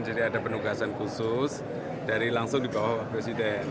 jadi ada penugasan khusus dari langsung dibawa pak presiden